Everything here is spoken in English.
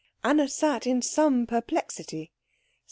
Anna sat in some perplexity.